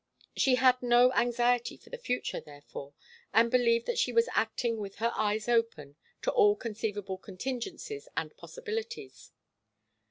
She had no anxiety for the future, therefore, and believed that she was acting with her eyes open to all conceivable contingencies and possibilities.